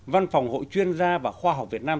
văn phòng hội chuyên gia và khoa học việt nam